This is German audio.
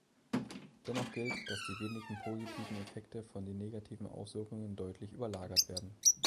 Dennoch gilt, dass die wenigen positiven Effekte von den negativen Auswirkungen deutlich überlagert werden.